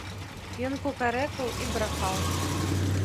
Ён кукарэкаў і брахаў.